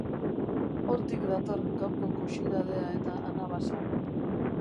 Hortik dator gaurko kuxidadea eta anabasa.